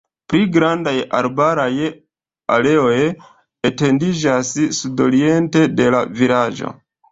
Pli grandaj arbaraj areoj etendiĝas sudoriente de la vilaĝo.